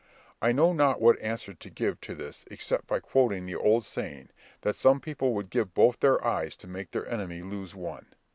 I know not what answer to give to this except by quoting the old saying, that some people would give both their eyes to make their enemy lose one.